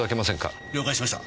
了解しました。